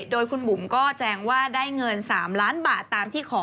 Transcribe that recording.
โดยคุณบุ๋มก็แจงว่าได้เงิน๓ล้านบาทตามที่ขอ